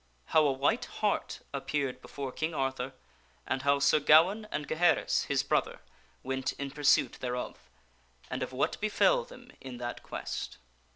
How a White Hart Appeared Before King Arthur, and How Sir Gawaine and Gaheris, His Brother, Went in Pursuit Thereof, and of What Befell Them in That Quest.